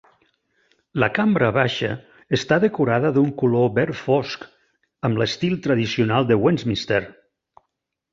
La cambra baixa està decorada d'un color verd fosc amb l'estil tradicional de Westminster.